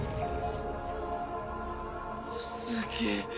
すげえ！